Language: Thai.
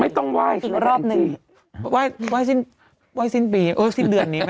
ไม่ต้องไหว้อีกรอบหนึ่งไหว้ไหว้สิบไหว้สิบปีเออสิบเดือนนี้ไหม